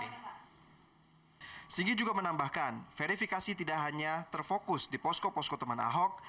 sigi juga menambahkan verifikasi tidak hanya terfokus di posko posko teman ahok